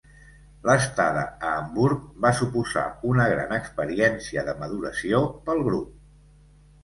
L'estada a Hamburg va suposar una gran experiència de maduració pel grup.